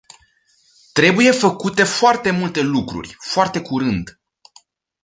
Trebuie făcute foarte multe lucruri, foarte curând.